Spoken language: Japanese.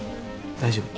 大丈夫。